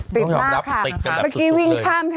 ติดมากค่ะ